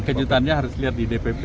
kejutannya harus lihat di dpp